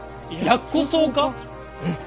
うん！